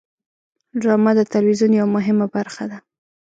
ډرامه د تلویزیون یوه مهمه برخه ده